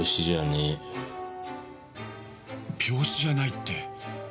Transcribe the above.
病死じゃないって？